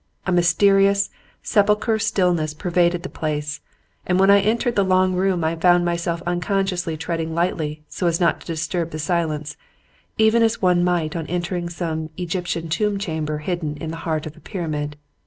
A mysterious, sepulchral stillness pervaded the place, and when I entered the long room I found myself unconsciously treading lightly so as not to disturb the silence; even as one might on entering some Egyptian tomb chamber hidden in the heart of a pyramid.